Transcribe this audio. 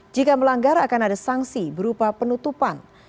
jika melanggar akan ada sanksi berupa penutupan